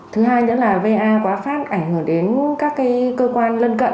thứ hai nữa là va quá phát ảnh hưởng đến các cơ quan lân cận